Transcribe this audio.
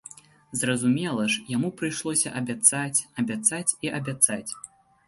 Зразумела ж, яму прыйшлося абяцаць, абяцаць і абяцаць.